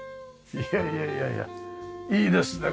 いやいやいやいやいいですね